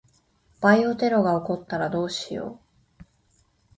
バイオテロが起こったらどうしよう。